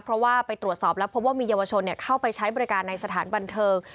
เพราะว่าไปตรวจสอบแล้วพบว่ามีเยาวชนเข้าไปใช้บริการในสถานบันเทิง